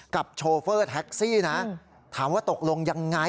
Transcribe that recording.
โชเฟอร์แท็กซี่นะถามว่าตกลงยังไง